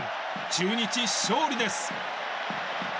中日、勝利です。